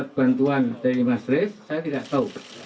mendapat bantuan dari masris saya tidak tahu